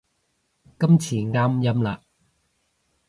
今次啱音啦